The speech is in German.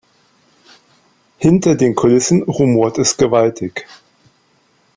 Hinter den Kulissen rumort es gewaltig.